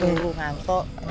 aku traitor dulu ngantuk